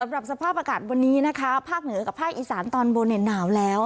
สำหรับสภาพอากาศวันนี้นะคะภาคเหนือกับภาคอีสานตอนบนเนี่ยหนาวแล้ว